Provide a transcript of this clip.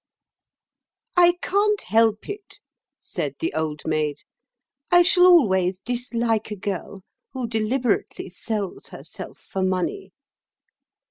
"I can't help it," said the Old Maid. "I shall always dislike a girl who deliberately sells herself for money."